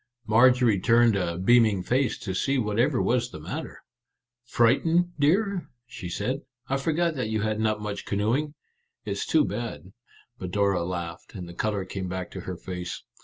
Marjorie turned a beaming face to see what ever was the matter. " Frightened, dear ?" she said. " I forgot that you have not had much canoeing. It's too bad." 5<d Our Little Canadian Cousin But Dora laughed, and the colour came back to her face.